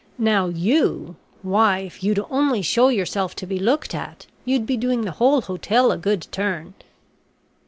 Now, you why, if you'd only show yourself to be looked at, you'd be doing the whole hotel a good turn."